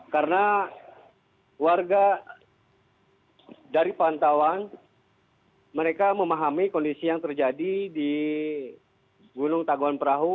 karena warga dari pantauan mereka memahami kondisi yang terjadi di gunung tangkuban parahu